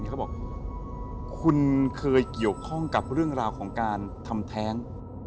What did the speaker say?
เขาบอกคุณเคยเกี่ยวข้องกับเรื่องราวของการทำแท้ง